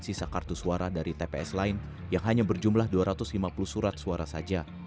sisa kartu suara dari tps lain yang hanya berjumlah dua ratus lima puluh surat suara saja